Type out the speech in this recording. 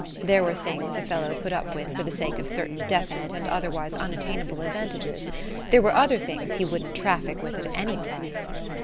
There were things a fellow put up with for the sake of certain definite and otherwise unattainable advantages; there were other things he wouldn't traffic with at any price.